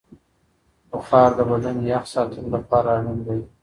بخار د بدن یخ ساتلو لپاره اړین دی.